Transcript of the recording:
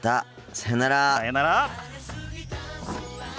さよなら。